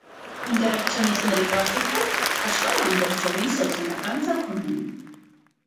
Ինտերակցիոնիստների կարծիքով աշխարհը ամբողջովին սոցիալական ծագում ունի։